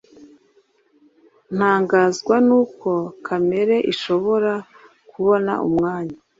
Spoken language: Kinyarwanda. ntangazwa nuko kamere ishobora kubona umwanya